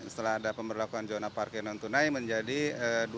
setelah ada pemberlakuan zona parkir non tunai menjadi dua lima ratus per hari